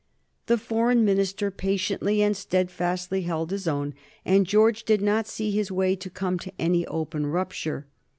The Foreign Minister patiently and steadfastly held his own, and George did not see his way to come to any open rupture.